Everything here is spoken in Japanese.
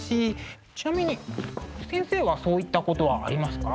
ちなみに先生はそういったことはありますか？